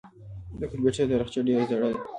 د کمپیوټر تاریخچه ډېره زړه ده.